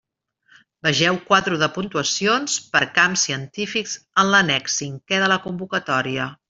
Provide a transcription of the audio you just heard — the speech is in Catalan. Vegeu quadro de puntuacions, per camps científics en l'annex cinqué de la convocatòria.